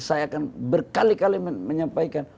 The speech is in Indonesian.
saya akan berkali kali menyampaikan